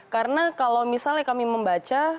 karena kalau misalnya kami membaca